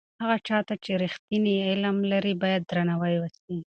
هغه چا ته چې رښتینی علم لري باید درناوی وسي.